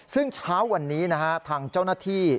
ซึ่งเช้าวันนี้นะฮะทางเจ้าหน้าที่